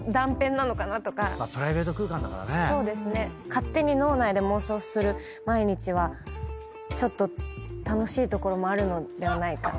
勝手に脳内で妄想する毎日はちょっと楽しいところもあるのではないか。